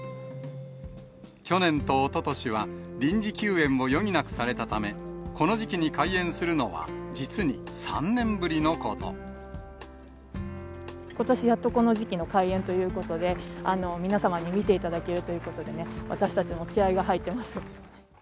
去年とおととしは、臨時休園を余儀なくされたため、この時期に開園するのは実に３年ことし、やっとこの時期の開園ということで、皆様に見ていただけるということで、私たちも気合いが入ってます。